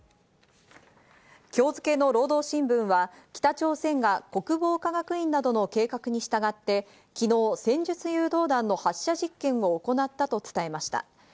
今日付の労働新聞は、北朝鮮が国防科学院などの計画に従って、昨日、戦術誘導弾の発射実験を行ったと伝えました。